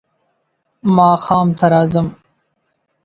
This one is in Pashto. ماښام ته راځم .